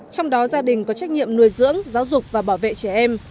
trong đó gia đình có trách nhiệm nuôi dưỡng giáo dục và bảo vệ trẻ em